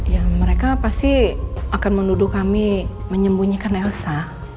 ya mereka pasti akan menuduh kami menyembunyikan elsa